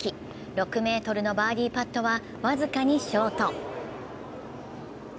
６ｍのバーディーパットは僅かにショート。